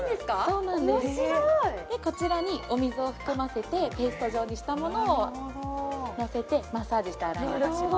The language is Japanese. そうなんです面白いこちらにお水を含ませてペースト状にしたものをのせてマッサージして洗い流します